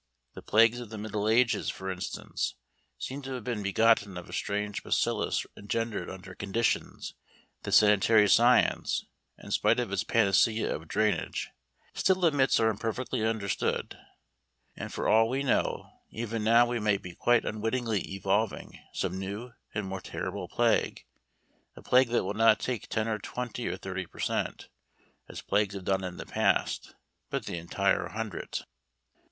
The plagues of the Middle Ages, for instance, seem to have been begotten of a strange bacillus engendered under conditions that sanitary science, in spite of its panacea of drainage, still admits are imperfectly understood, and for all we know even now we may be quite unwittingly evolving some new and more terrible plague a plague that will not take ten or twenty or thirty per cent., as plagues have done in the past, but the entire hundred.